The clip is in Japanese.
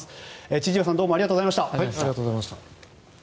千々岩さんどうもありがとうございました。